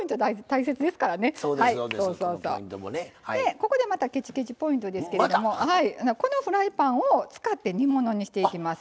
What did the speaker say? ここでまたケチケチ・ポイントですけれどもこのフライパンを使って煮物にしていきます。